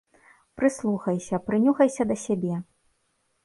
Прыслухайся, прынюхайся да сябе.